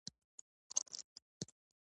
انسان تل د پرمختګ په لټه کې دی.